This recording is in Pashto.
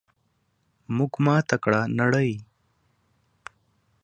موږ ماته کړه نړۍ!